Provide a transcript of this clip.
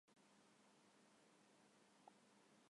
চলছে না কেন এটা?